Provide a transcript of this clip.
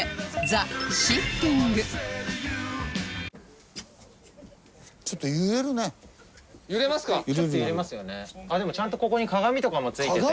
あっでもちゃんとここに鏡とかも付いてて。